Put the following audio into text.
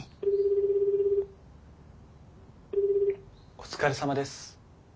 お疲れさまです。